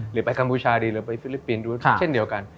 หรือไปกัมพูชาดีหรือไปฟิลิปปินส์เช่นเดียวกัน